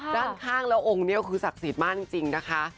ด้านข้างแล้วองค์นี้คือศักดิ์สิทธิ์มากจริงนะคะ